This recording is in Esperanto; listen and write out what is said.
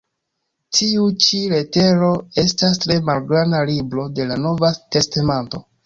Tiu ĉi letero estas tre malgranda "libro" de la nova testamento.